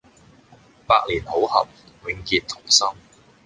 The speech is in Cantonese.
百年好合、永結同心